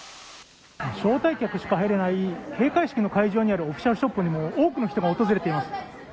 招待客しか入れない閉会式会場のオフィシャルショップにも多くの人が訪れています。